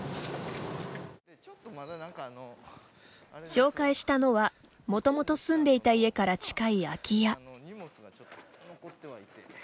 紹介したのは、もともと住んでいた家から近い空き家。